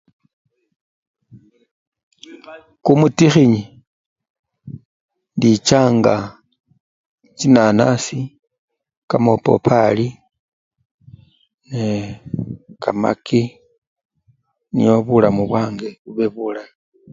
Kumutikhinyi ndichanga chinanasi, kamapapali nee! kamaki niobulamu bwange bube bulayi.